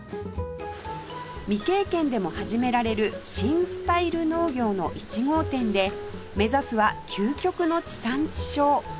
未経験でも始められる新スタイル農業の１号店で目指すは究極の地産地消